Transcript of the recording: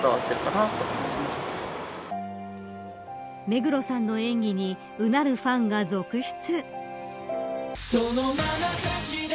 目黒さんの演技にうなるファンが続出。